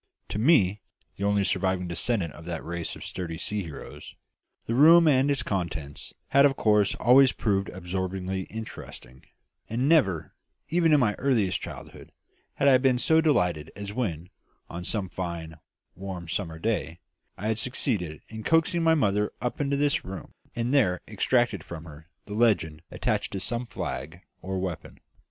To me, the only surviving descendant of that race of sturdy sea heroes, the room and its contents had of course always proved absorbingly interesting; and never, even in my earliest childhood, had I been so delighted as when, on some fine, warm, summer day, I had succeeded in coaxing my mother up into this room and there extracted from her the legend attached to some flag or weapon.